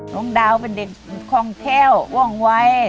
น้องดาวเป็นเด็กคล่องแค้วว่องวัย